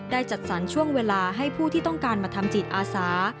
จัดสรรช่วงเวลาให้ผู้ที่ต้องการมาทำจิตอาสา